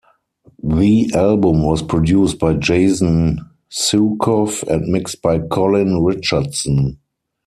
The album was produced by Jason Suecof and mixed by Colin Richardson.